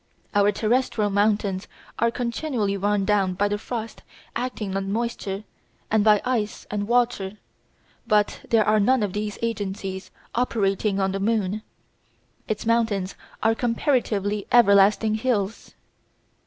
Our terrestrial mountains are continually worn down by frost acting on moisture and by ice and water, but there are none of these agencies operating on the moon. Its mountains are comparatively "everlasting hills."